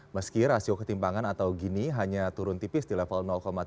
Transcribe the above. meski rasio ketimpangan atau gini hanya turun tipis di level tiga ratus delapan puluh satu